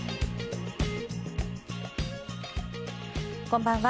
こんばんは。